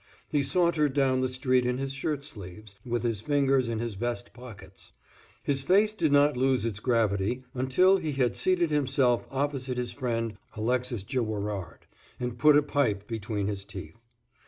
He sauntered down the street in his shirt sleeves, with his fingers in his vest pockets. His face did not lose its gravity until he had seated himself opposite his friend Alexis Girouard, and put a pipe between his teeth.